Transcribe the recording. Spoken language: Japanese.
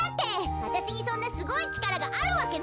わたしにそんなすごいちからがあるわけないじゃない。